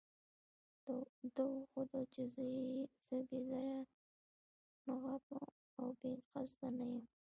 ده وښودل چې زه بې ځایه نه غاپم او بې قصده نه یم.